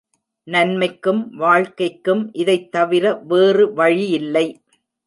நன்மைக்கும் வாழ்க்கைக்கும் இதைத் தவிர வேறு வழியில்லை.